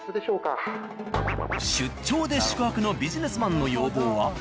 出張で宿泊のビジネスマンの要望は。